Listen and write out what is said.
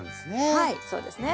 はいそうですね。